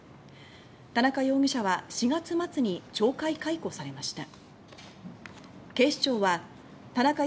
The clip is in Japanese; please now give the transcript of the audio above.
田中容疑者は４月末に懲戒解雇されました。